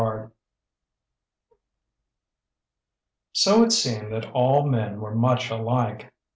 XXXI So it seemed that all men were much alike.